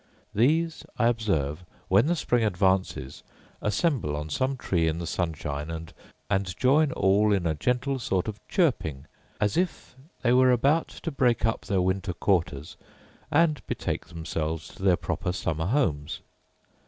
These, I observe, when the spring advances, assemble on some tree in the sunshine, and join all in a gentle sort of chirping, as if they were about to break up their winter quarters and betake themselves to their proper summer homes.